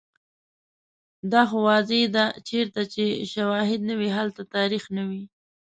دا خو واضحه ده چیرته چې شوهد نه وي، هلته تاریخ نه وي